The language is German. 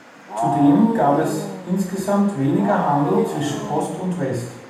Zudem gab es insgesamt weniger Handel zwischen Ost und West.